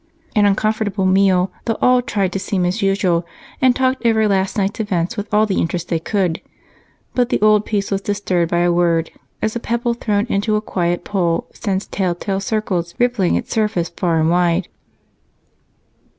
An uncomfortable meal, though all tried to seem as usual and talked over last night's events with all the interest they could. But the old peace was disturbed by a word, as a pebble thrown into a quiet pool sends telltale circles rippling its surface far and wide.